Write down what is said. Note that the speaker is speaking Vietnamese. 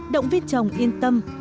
động viên chồng yên tâm